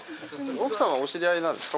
奥様はお知り合いなんですか？